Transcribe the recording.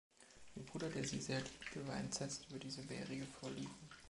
Ihr Bruder, der sie sehr liebte, war entsetzt über diese bärige Vorliebe.